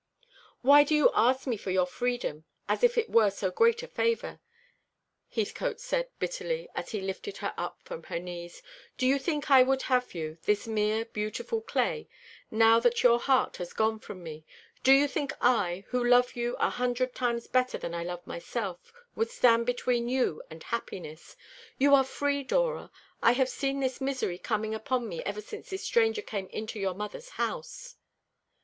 "Why do you ask me for your freedom, as if it were so great a favour?" Heathcote said bitterly, as he lifted her up from her knees. "Do you think I would have you this mere beautiful clay now that your heart has gone from me? Do you think I, who love you a hundred times better than I love myself, would stand between you and happiness? You are free, Dora. I have seen this misery coming upon me ever since this stranger came into your mother's house."